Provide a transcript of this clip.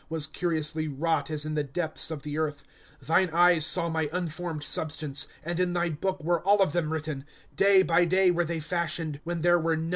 Was curiously wrought [as] in the depths of the earth. '^ Thine eyes saw my unformed substance ; And in thy book were all of them written, Day by day were they fashioned, when there were none of them.